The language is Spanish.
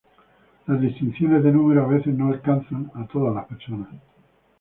Las distinciones de número a veces no alcanzan a todas las personas.